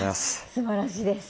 すばらしいです。